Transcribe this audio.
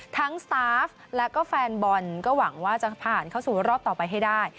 สตาฟและก็แฟนบอลก็หวังว่าจะผ่านเข้าสู่รอบต่อไปให้ได้